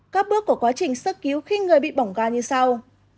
các bước của quá trình sơ cứu khi người bị bỏng gà như sau